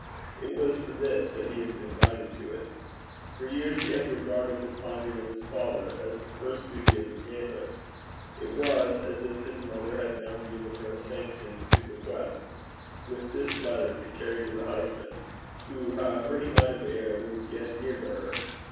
It was for this that he had been guided to it. For years he had regarded the finding of his father as the first duty of his manhood: it was as if his mother had now given her sanction to the quest, with this letter to carry to the husband who, however he might have erred, was yet dear to her.